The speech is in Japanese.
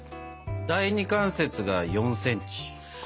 第２関節が４ｃｍ。